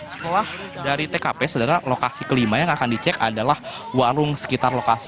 setelah dari tkp sebenarnya lokasi kelima yang akan dicek adalah warung sekitar lokasi